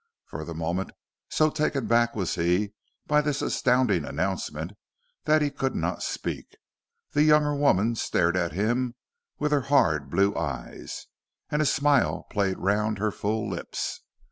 For the moment, so taken aback was he by this astounding announcement, that he could not speak. The younger woman stared at him with her hard blue eyes, and a smile played round her full lips.